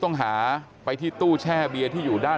แต่ว่าวินนิสัยดุเสียงดังอะไรเป็นเรื่องปกติอยู่แล้วครับ